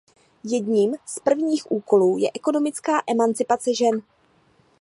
Jedním z prvních úkolů je ekonomická emancipace žen.